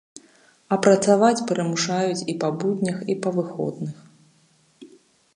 А працаваць прымушаюць і па буднях, і па выходных!